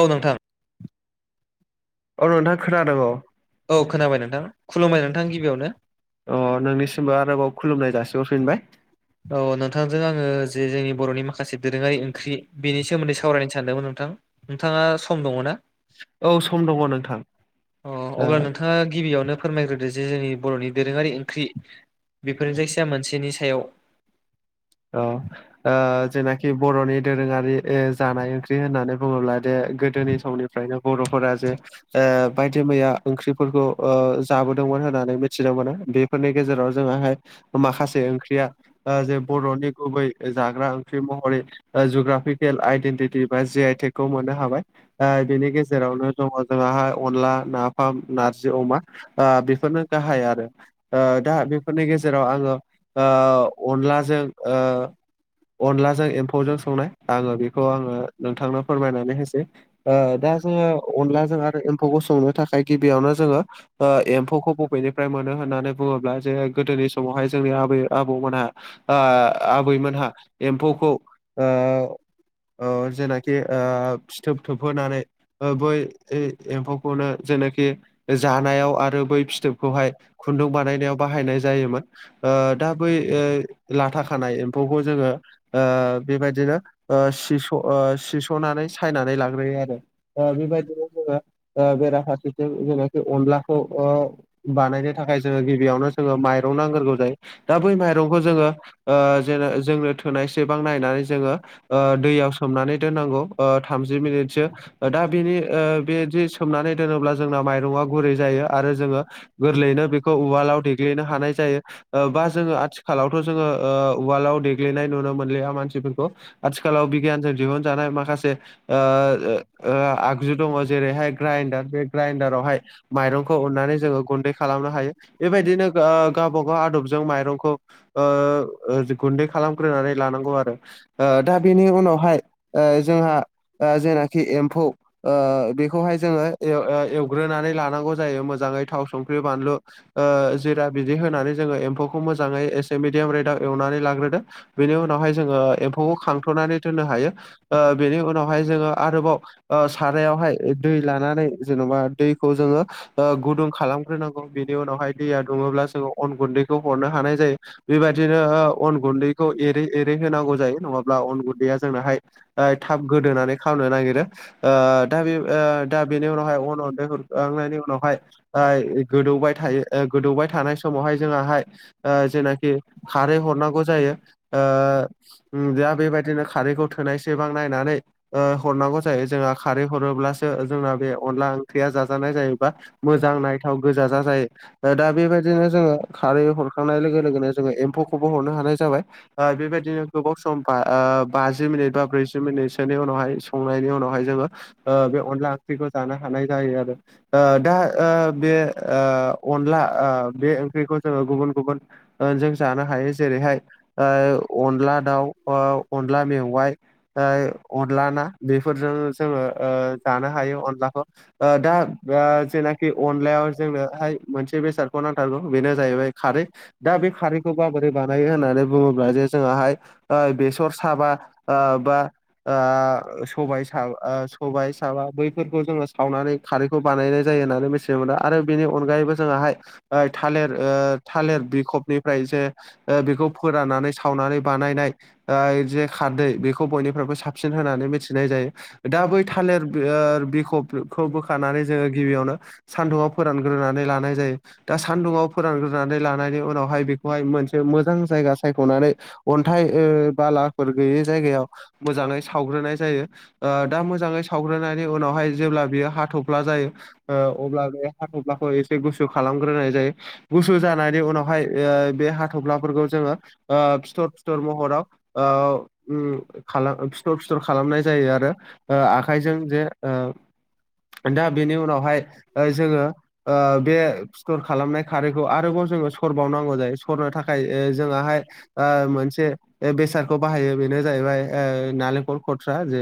औ नोंथां। औ नोंथां खोनादों औ औ खोनाबाय नोंथां। खुलुमबाय नोंथां गिबियावनो। अ नोंनिसिमबो आरोबाव खुलुमनाय जासिहरफिनबाय। औ नोंथांजों आङो जे जोंनि बर'नि माखासे दोरोङारि ओंख्रि बेनि सोमोन्दै सावरायनो सानदोंमोन नोंथां नोंथाङा सम दङना? औ सम दङ नोंथां [inaudible] अ ओ अब्ला नोंथाङा गिबियावनो फोरमायग्रोदो जे जोंनि बर'नि दोरोङारि ओंख्रि बेफोरनो जायखिजाया मोनसेनि सायाव। औ ओ जेनाखि बर'नि दोरोङारि जानाय ओंख्रि होननानै बुङोब्ला जे गोदोनि समनिफ्रायनो बर'फोरा जे बायदि मैया ओंख्रिफोरखौ जाबोदोंमोन होननानै मिथिनो मोनो बेफोरनि गेजेराव जोंहाहाय माखासे ओंख्रिया जे बर'नि गुबै जाग्रा ओंख्रि महरै ओ जुग्राफिफेल आइडेन्टिटि बा जि आइ टेक खौ मोननो हाबाय। ओ बेनि गेजेरावनो दङ जोङाहाय अनला नाफाम नारजि अमा। ओ बेफोरनो गाहाय आरो दा बेफोरनि गेजेराव आङो ओ अनला जों ओ अनलाजो एम्फु खौ जों संनाय आङो बेखौ आङो नोंथांनो फोरमायनानै होसै। ओ दा जोङो अनलाजों आरो एम्फौखौ संनो थाखाय गिबियावनो जोङो ओ एम्फौखौ बबेनिफ्राय मोनो होननानै बुङोब्ला जे गोदोनि समावहाय जोंनि आबै आबौमोनहा आ आबैमोनहा एम्फौखौ ओ ऐ जेनाखि ओ फिथोब थोबहोनानै ओ बै यै एम्फौखौनो जेनाखि जानायाव आरो बै फिथोबखौहाय खुन्दुं बानायनायाव बाहायनाय जायोमोन। ओ दा बै लाथा खानाय एम्फौखौ जोङो ओ बेबायदिनो ओ सिस'ओ सिस'नानै सायनानै लाग्रोयो आरो बेबायदिनो जोङो ओ बेराफारसेथिं जेनाखि अनलाखौ ओ बानायनो थाखाय जोङो गिबियावनो जोङो माइरं नांग्रोगौ जायो दा बै माइरंखौ जोङो ओ जेन जोंनो थोनाय सेबां नायनानै जोङो ओ दैयाव सोमनानै दोननांगौ ओ थामजि मिनिटसो। दा बेनि ओ बेदि सोमनानै दोनोब्ला जोंना माइरंआ गुरै जायो आरो जोङो गोरलैयैनो बेखौ उवालाव देग्लिनो हानाय जायो ओ बा जोङो आथिखालावथ' जोङो ओ उवालाव देग्लिनाय नुनो मोनलिया मानसिफोरखौ। आथिखालाव बिगियानजों दिहुनजानाय माखासे ओ ओ आगजु दङ जेरैहाय ग्राइडार बे ग्राइडारावहाय माइरंखौ उननानै जोङो गुन्दै खालामनो हायो। बेबायदिनो गावब गाव आदबजों माइरंखौ ओ गुन्दै खालामग्रोनानै लानांगौ आरो। ओ दा बेनि उनावहाय ओ जोंहा ओ जेनाखि एम्फौ ओ बेखौहाय जोङो एवग्रोनानै लानांगौ जायो मोजाङै थाव संख्रि बानलु ओ जिरा बिदै होनानै जोङो एम्फौखौ मोजाङै एसे मिडियाम रेदाव एवनानै लाग्रोदो बेनि उनावहाय जोङो एम्फौखौ खांथ'नानै दोननो हायो। ओ बेनि उनावहाय जोङो आरोबाव ओ सारावहाय दै लानानै जेन'बा दैखौ जोङो ओ गुदुं खालामग्रोनांगौ बेनि उनावहाय दैया दुङोब्ला जोङो अन गुन्दैखौ हरनो हानाय जायो। बेबायदिनो अन गुन्दैखौ एरै एरै होनांगौ जायो नङाब्ला अन गुन्दैया जोंनाहाय ऐ थाब गोदोनानै खामनो नागिरो। ओ दा बे दा बेनि उनावहाय अन गुन्दै हरखांनायनि उनावहाय आ गोदौबाय थायो गोदौबाय थानाय समावहाय जोंनाहाय ओ जोंना खारै हरनांगौ जायो ओ दा बेबायदिनो खारैखौ थोनायसेबां नायनानै ओ हरनांगौ जायो जोंहा खारै हरोब्लासो जोंना बे अनला ओंख्रिया जाजानाय जायोबा मोजां नायथाव गोजा जा जायो दा बेबायदिनो जोङो खारै हरखांनाय लोगो लोगोनो जोङो एम्फौखौबो हरनो हानाय जाबाय। बेबायदिनो गोबाव सम बाजि मिनिट बा ब्रैजि मिनिटसोनि उनावहाय संनायनि उनावहाय जोङो ओ बे अनला ओंख्रिखौ जानो हानाय जायो आरो। ओ दा बे अनला बे ओंख्रिखौ जोङो गुबुन गुबुन जों जानो हायो जेरैहाय अनला दाउ अनला मेवाइ ओमफाय अनला ना बेफोरजों जोङो जानो हायो अनलाखौ दा जेनाखि अनलायाव जोंनोहाय मोनसे बेसादखौ नांथारगौ बेनो जाहैबाय खारै दा बे खारैखौ बा बोरै बानायो होननानै बुङोब्ला जे जोंहाय बेसर साबा आ बा आ सबाय सबाय साबा बैफोरखौ जोङो सावनानै खारैखौ बानायनाय जायो होननानै मिथिनो मोनो आरो बेनि अनगायैबो जोङाहाय ओ थालिर ओ थालिर बिखबनिफ्राय जे ओ बेखौ फोराननानै सावनानै बानायनाय ओ जे खारदै बेखौ बयनिफ्रायबो साबसिन होनानै मिथिनाय जायो। दा बै थालिर बिखबखौ बोखानानै जोङो गिबियावनो सानदुङाव फोरानग्रोनानै लानाय जायो दा सानदुङाव फोरानग्रोनानै लानानानै उनावहाय बेखौहाय मोनसे मोजां जायगा सायख'नानै अनथाइ बालाफोर गैयै जायगायाव मोजाङै सावग्रोनाय जायो। दा मोजाङै सावग्रोनायनि उनावहाय जेब्ला बियो हाथफ्ला जायो। अब्ला बे हाथ'फ्लाखौ एसे गुसु खालामग्रोनाय जायो गुसु जानायनि उनाव बेवहाय बे हाथ'फ्लाफोरखौ जोङो ओ फिथर फिथर महराव ओ ओम खालाम फिथर फिथर खालामनाय जायो आरो ओ आखाइजों जे ओ दा बेनि उनावहाय जोङो ओ बे सटर खालामनाय खारैखौ आरोबाव जोङो सरबावनांगौ जायो सरनो थाखाय जोंहाय ओ मोनसे बेसादखौ बाहायो बेनो जाहैबाय ओ नालेंखल खथ्रा जे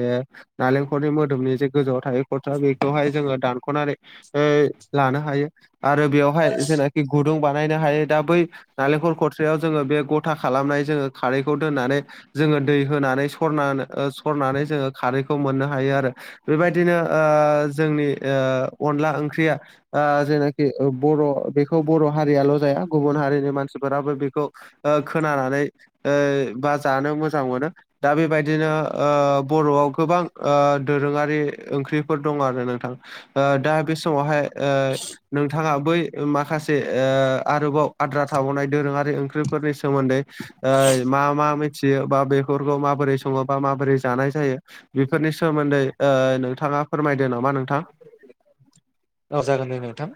नालेंखलनि मोदोमनि जे गोजौआव थायो खलथा बेखौहाय जोङो दानख'नानै ओ द [unintelligible] लानो हायो आरो बेवहाय जेनाखि गुदुं बानायनो हायो। दा बै नालेंखल खथ्रयाव जोङो बे गथा खालामनाय जोङो खारैखौ दोननानै जोङो दै होनानै सरनानै सरनानै जोङो खारैखौ मोननो हायो आरो। बेबायदिनो ओ जोंनि ओ अनला ओंख्रिया आ जेनाखि बर' बेखौ बर' हारियाल' जाया गुबुन हारिनि मानसिफोराबो बेखौ ओ खोनानानै ओ बा जानो मोजां मोनो। दा बेबायदिनो ओ बर'याव गोबां दोरोङारि ओंख्रिफोर दं आरो नोंथां। ओ दा बे समावहाय नोंथाङा बै माखासे ओ आरोबाव‌। आद्रा थाबावनाय दोरोङारि ओंख्रिफोरनि सोमोनदै ओ मा मा मिथियो बा बेफोरखौ माबोरै सङो बा माबोरै जानाय जायो। बेफोरनि सोमोनदै नोंथाङा फोरमायदो नामा नोंथां। औ जागोन दे नोंथां।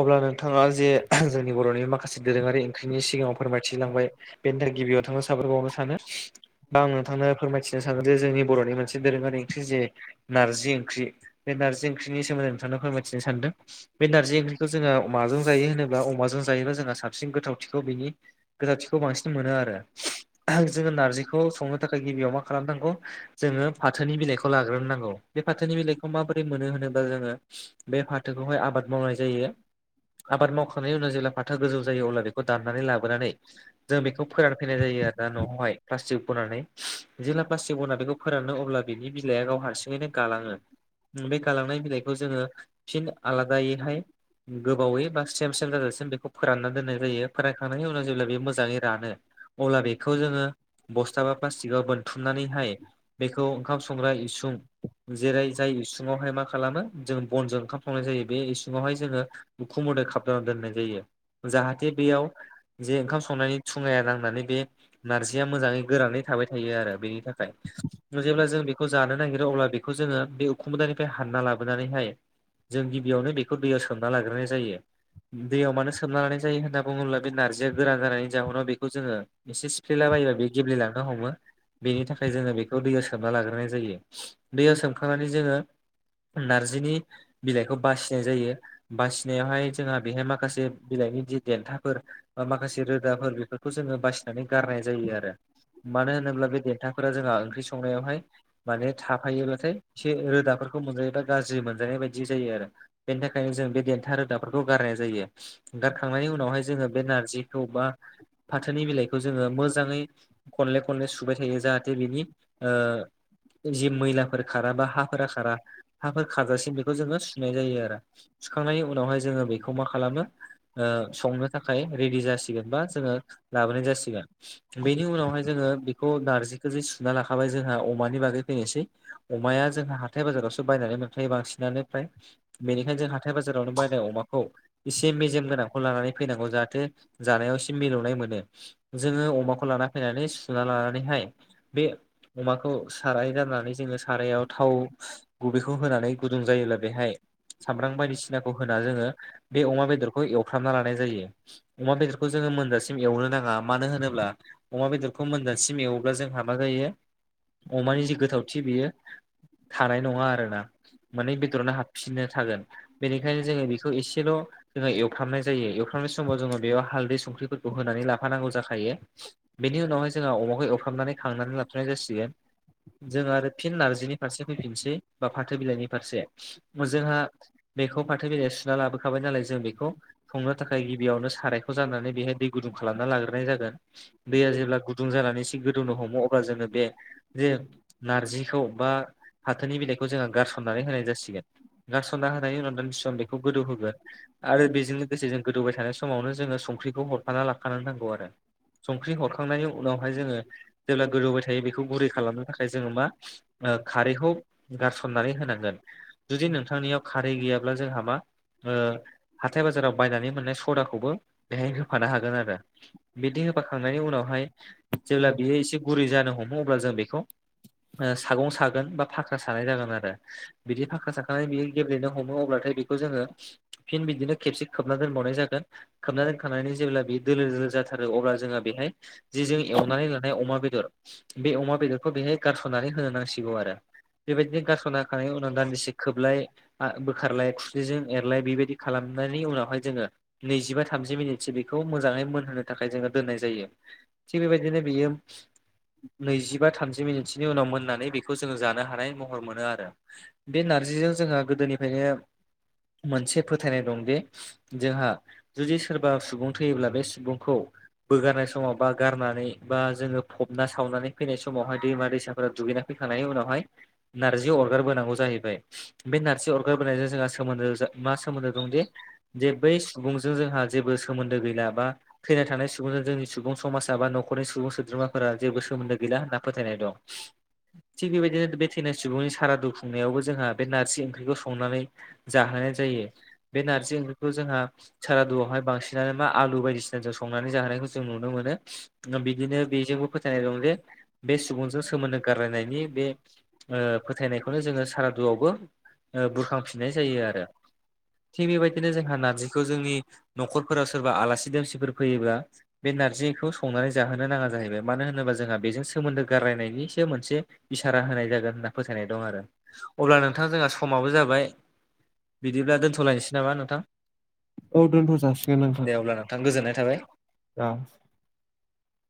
अब्ला नोंथाङा जे जोंनि बर'नि माखासे दोरोङारि ओंख्रिनि सिगाङाव फोरमायथिलांबाय बेनि थाखाय गिबियाव नोंथांनो साबायखर बावनो सानो। दा आं नोंथांनो फोरमायथिनो सानोन जे जोंनि बर'नि मोनसे दोरोङारि ओंख्रि जे नारजि ओंख्रि बे नारजि ओंख्रिनि सोमोनदै नोंथांनो फोरमायथिनो सानदों बे नारजि ओंख्रि थ' जोङो माजों जायो होनोब्ला अमाजों जायोब्ला जोंहा साबसिन गोथावथिखौ बिनि गोथावथिखौ बांसिन मोनो आरो जोङो नारजिखौ संनो थाखाय गिबियाव मा खालामनांगौ जोङो फाथोनि बिलाइखौ लाग्रोनोनांगौ बे फाथोनि बिलाइखौ माबोरै मोनो होनोबा जोङो बे फाथोखौहाय आबाद मावनाय जायो आबाद मावखांनायनि उनाव जेला फाथो फाथोया गोजौ जायो अब्ला बेखौ दाननानै लाबोनानै जों बेखौ फोरान फैनाय जायो आरोना न'आवहाय प्लास्टिक बनानै जेब्ला प्लास्टिक बनानै बेखौओ फोराननो अब्ला बिनि बिलाइया गाव हारसिङैनो गालाङो बे गालांनाय बिलाइखौ जोङो ओ थिन आलादायैहायो गोबावै बा सेम सेम जाजासिम बेखौ फोराननानै दोननाय जायो फोरानखांनायनि उनाव जेब्ला बे मोजाङै रानो। अब्ला बेखौ जोङो बस्थाा प्लास्टिकयाव बोनथुमनानैहायो बेखौ ओंखाम संग्रा इसुं जेरै जाय इसुङावहाय मा खालामो जों बनजों। ओंखाम संनाय जायो बे इसुङावहाय जोङो उखुमोदाय खाबथानानै दोननाय जायो। जाहाथे बेयाव जे ओंखाम संनायनि धुङाया नांनानै बे नारजिया मोजाङै गोरानैै थाबाय थायो आरो बेनि थाखाय। जेब्ला जों बेखौ जानो नागिरो अब्ला बेखौ जोङो बे उखुमोदानिफ्राय हानना लाबोनानै हाय जों गिबियावनो बेखौ दैयाव सोमना लाग्रोनाय जायो। दैयाव मानो सोमना लानाय जायो होनना बुङोब्ला, बे नारजिया गोरान जानायनि जाहोनाव बेखौ जोङो एसेसो फेला बायोबा बे गेब्लेलांनो हमो बेनि थाखाय जोङो बेखौ दैयाव सोमना लाग्रोनाय जायो। दैयाव सोमखांनानै जोङो नार्जिनि बिलाइखौ बासिनाय जायो बासिनायावहाय जोंहा बेहाय माखासे बिलाइनि जि देन्थाफोर बा माखासे रोदाफोर बेफोरखौ जोङो बासिनानै गारनाय जायो आरो। मानो होनोब्ला बे देथाफोरा जोंहा ओंख्रि संनायावहायो माने थाफायोब्लाथाय एसे रोदाफोरखौ मोनजायोबा गाज्रि मोनजानाय बायदि बिदि जायो आरो बेनि थाखायनो जों बे देन्था रोदाफोरखौ गारनाय जायो। गारखांनायनि उनावहाय जोङो बे नारजिखौ बा फाथोनि बिलाइखौ जोङो मोजाङै खनले खनले सुबाय थायो जाहाथे बिनि ओ। जि मैलाफोर खाराबा हाफोरा खारा हाफोर खारजासिम बेखौ खो जोङो सुनाय जायो। आरो सुखांनायनि उनावहाय जोङो बेखौ मा खालामो ओ संनो थाखा थाखाय रेडि जासिगोन बा जोङो लाबोनाय जासिगोन। बेनि उनावहाय जोङो बेखौ नारजिखौ सुना लाखाबाय जोंहा अमानि बागै फैनोसै। अमाया जोंहा हाथाय बाजारावसो बायनानै मोनखायो बांसिनो बेनिफ्राय बेनिखायनो जों हाथाय बाजारावनो बायनाय अमाखौओ इसे मेजेम गोनांखौ लानानै फैनांगौ जाहाथे जानायाव एसे मिलौनाय मोनो। जोङो अमाखौ लाना फैनानै सुना लानानैहायो बे अमाखौ साराय गारनानै जोङो सारायाव थाव गुबैखौ होनानै गुदुं जायोब्ला, बेहाय सामब्राम बायदिसिनाखौ होना जोङो बे अमा बेदरखौ एवफ्रामना लानाय जायो। अमा बेदरखौ जोङो मोनजासिम एवनो नाङा मानो होनोब्लायो अमा बेदरखौ मोनजानसिम एवोब्ला जों हा मा जायो अमानि जि गोथावथि बियो थानाय नङा आरोना। माने बेदरावनो हाबफिनना थागोन बेनिखायनो जोङो बेखौ एसेल' जोङो एवफ्रामनाय जायो एवफ्रामनाय समाव जोङो बेयाव हालदै संख्रिफोरखौ होनानै लाफानांगौ जाखायो। बेनि उनावहाय जोंहा अमाखौ एवफ्रामनानै खांनानै लाथ'नाय जासिगोनो। जों आरो फिन नारजिनि फारसे फैफिनसै बा फाथो बिलाइनि फारसे। जोंहा बेखौ फाथो बिलायाव सुना लाबोखाबाय नालाय जों बेखौ संनो थाखाय गिबियावनो सारायखौ जाननानै बेहाय दै गुदुं खालामना लाग्रोनाय जागोन। दैया जेब्ला गुदुं जानानैसो गोदौनो हमो अब्ला जोङो बे जे नार्जिखौ बा हाथोनि बिलाइखौ जोङो गारसननानै होनाय जासिगोन। गारसनना होनायनि उनाव दानदि सम बेखौ गोदौ होगोन। आरो बेजों लोगोसे जों गोदौबाय थानाय समावनो जोङो संख्रिखौ हरफाना लाखानो नांगौ आरो संख्रि हरखांनायनि उनावहाय जोङो जेब्ला गोदौबाय थायो बेखौ गुरै खालामनो थाखाय जोङो मा ओ खारैखौ गारसननानै हो नांगोन जुदि नोंथांनियाव खारै गैयाब्ला जोंहा मा ओ हाथाय बाजाराव बायनानै मोननाय सदाखौबो बेहाय होफानो हागोन। आरो बिदि होफाखांनायनि उनावहाय जेब्ला बियो इसे गुरै जानो हमो अब्ला जों बेखौ ओ सागं सागोन बा फाख्रा सानाय जागोन। आरो बिदि फाखा साखानानै बियो गेब्लेनो हमो। अब्लाथाय बेखौ जोङो फिन बिदिनो खेबसे खोबना दोनबावनाय जागोन। खोबना दोनखांनानै जेब्ला बे दोलो दोलो जाथारो अब्ला जोंहा बेहाय जि जों एवनानै लानाय अमा बेदर बे अमा बेदरखौ बेहाय गारस'नानै होनो नांसिगौ। आरो बेबायदिनो गारस'ना होखांनायनि उनाव दान्दिसे खोबलाय। बोखारलाय खुरिजों एरलाय बेबायदि खालामनायनि उनावहाय जोङो नैजिबा थामजि मिनिटसो बेखौ मोजाङै मोनहोनो थाखाय जोङो दोननाय जायो। बि बिबायदिनो बियो नैजिबा थामजि मिनिटसोनि उनाव मोननानै बेखौ जोङो जानो हानाय महर मोनो आरो। बे नारजिजों जोंहा गोदोनिफ्रायनो मोनसे फोथायनाय दं बे जोंहा जुदि सोरबा सुबुं थैयोब्ला बे सुबुंखौ बोगारनाय समाव बा गारनानै बा जोङो फबना सावनानै फैनाय समावहाय दैमा दैसाफोरा दुगैना फैखांनायनि उनावहाय नारजि अर अरगारबोनांगौ जाहैबाय बे नारजि अरगार बोनायजों जोंहा सोमोन्दो मा सोमोन्दो दंदि जे बै सुबुंजों जोंहा जेबो सोमोन्दो गैला बा थैना थांनाय सुबुंजों जोंनि सुबुं समाज बा नख खरनि सुबुं सोद्रोमाफोरा जेबो सोमोन्दो गैला होनना फोथायनाय दं। थिग बेबायदिनो बे थैनाय सुबुंनि सारादु खुंनायावबो जोंहा बे नारजि ओंख्रिखौ संनानै जाहोनाय जायो बे नारजि ओंख्रिखौ जोंहा सारादुआवहाय बांसिनानो मा आलु बायदिसिना जों संनानै जाहोनखौ जों नुनो मोनो। बिदिनो बेजोंबो फोथायनाय दं जे बे सुबुंजों सोमोन्दो गारलायनायनि बे ओ फोथायनायखौनो जोङो सारादुआवबो बुरखांफिननाय जायो आरो। थिग बेबायदिनो जोंहा नारजिखौ जोंनि न'खरफोराव सोरबा आलासि दोमसिफोर फैयोब्ला बे नारजिखौ संनानै जाहोनो नाङा जाहैबाय मानो होनोबा जोंहा बेजों सोमोन्दो गारायनायनिसो मोनसे इसारा होनाय जागोन होनना फोसथायनाय दं आरो। अब्ला नोंथां जोंहा समाबो जाबाय बिदिब्ला दोन्थ'लायनोसै नामा नोंथां? औ दोनथ' जासिगोन नोंथां। दे अब्ला नोंथां गोजोननाय थाबाय। औ।